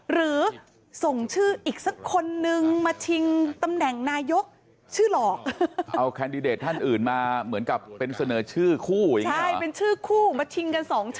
หรือส่งชื่ออีกสักคนนึงมาชิงตำแหน่งนายกชื่อหลอก